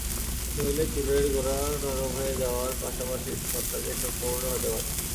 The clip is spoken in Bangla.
নইলে চুলের গোড়া নরম হয়ে যাওয়ার পাশাপাশি ছত্রাকের সংক্রমণও হতে পারে।